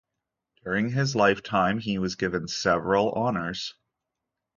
During his lifetime, he was given several honors.